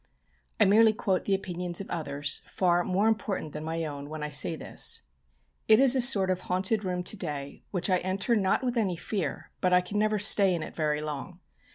I merely quote the opinions of others, far more important than my own, when I say this. It is a sort of haunted room to day which I enter not with any fear, but I can never stay in it very long.